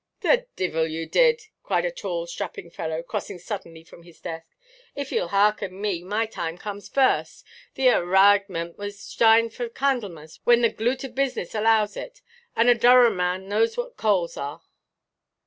"The deevil you did!" cried a tall, strapping fellow, crossing suddenly from his desk; "if yeʼll hearken me, my time comes first. The agrahment was signed for Candlemas, when the gloot of business allows it. And a Durham man knows what coals are."